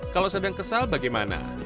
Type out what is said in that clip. kalau sedang kesal bagaimana